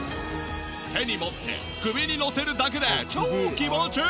手に持って首にのせるだけで超気持ちいい！